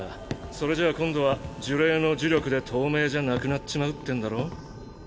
それじゃあ今度は呪霊の呪力で透明じゃなくなっちまうってんだろ？